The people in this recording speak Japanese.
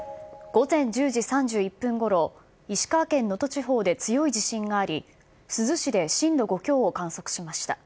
午前１０時３１分ごろ、石川県能登地方で強い地震があり、珠洲市で震度５強を観測しました。